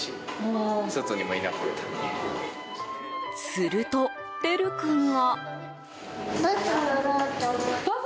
すると、てる君が。